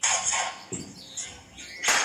زه به سبا درسونه اورم وم.